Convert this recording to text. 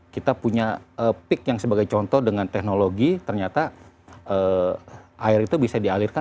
kita punya peak yang sebagai contoh dengan teknologi ternyata air itu bisa dialirkan